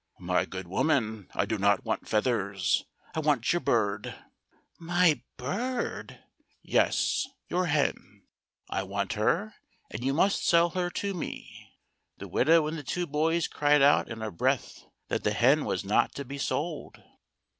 " My good woman, I do not want feathers. I want your bird." " My bird !" THE GOLDEN HEN. 6 1 "Yes, your hen. I want her, and you must sell her to me." The widow and the two boys cried out in a breath that the hen was not to be sold.